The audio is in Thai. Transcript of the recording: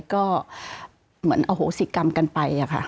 ก็เหมือนอโหสิกรรมกันไปค่ะ